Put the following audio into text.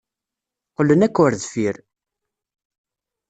Qqlen akk ar deffir.